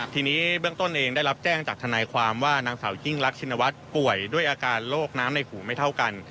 ทีนี้เบื้องต้นเองได้รับแจ้งจากทนายความว่านางสาวยิ่งรักชินวัฒน์ป่วยด้วยอาการโรคน้ำในหูไม่เท่ากัน